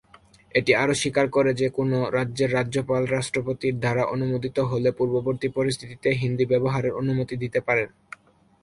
এটি আরও স্বীকার করে যে কোনও রাজ্যের রাজ্যপাল রাষ্ট্রপতির দ্বারা অনুমোদিত হলে পূর্ববর্তী পরিস্থিতিতে হিন্দি ব্যবহারের অনুমতি দিতে পারেন।